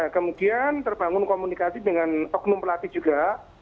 kemudian terbangun komunikasi dengan oknum pelatih juga